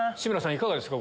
いかがですか？